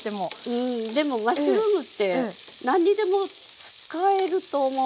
うんでもマッシュルームって何にでも使えると思うのね。